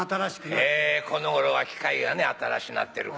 へぇこの頃は機械が新しなってるから。